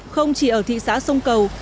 không chỉ ở thị xã sông cầu